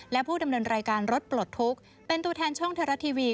และผู้ดำเนินรายการรถปลดทุกข์เป็นตัวแทนช่องไทยรัฐทีวี